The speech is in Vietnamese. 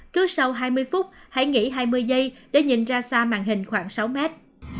cứ sau hai mươi phút hãy nghỉ hai mươi giây để nhìn ra xa màn hình khoảng sáu mét